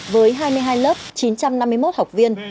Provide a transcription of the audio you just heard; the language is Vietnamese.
với hai mươi hai lớp chín trăm năm mươi một học viên